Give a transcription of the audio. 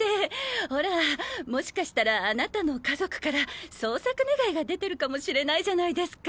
ほらもしかしたらあなたの家族から捜索願が出てるかも知れないじゃないですか。